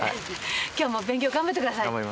今日も勉強頑張ってください。